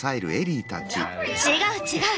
違う違う！